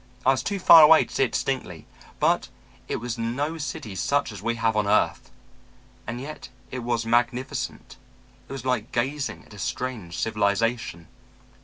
I was too far away to see it distinctly, but it was no city such as we have on earth. And yet it was magnificent; it was like gazing at a strange civilization.